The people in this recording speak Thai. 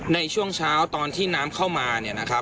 ในช่วงเช้าตอนที่น้ำเข้ามา